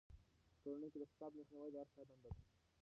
په ټولنه کې د فساد مخنیوی د هر چا دنده ده.